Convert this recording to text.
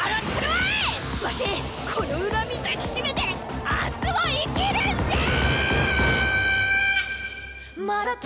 わしこの恨み抱き締めて明日を生きるんじゃっ！！